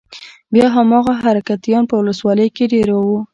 بيا هماغه حرکتيان په ولسوالۍ کښې دېره وو.